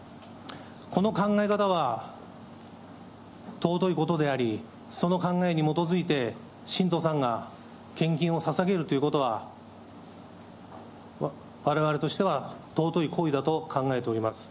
この考え方は、尊いことであり、その考えに基づいて、信徒さんが献金をささげるということは、われわれとしては尊い行為だと考えております。